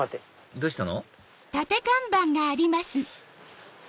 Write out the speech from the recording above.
どうしたの？